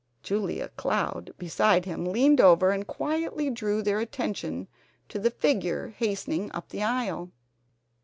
Julia Cloud beside him leaned over and quietly drew their attention to the figure hastening up the aisle.